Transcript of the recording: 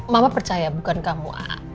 mama percaya bukan kamu